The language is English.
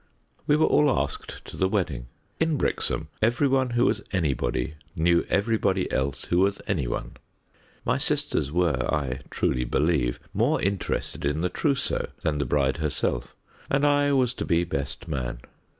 We were all asked to the wedding. In Brixham every one who was anybody knew everybody else who was any one. My sisters were, I truly believe, more interested in the trousseau than the bride herself, and I was to be best man.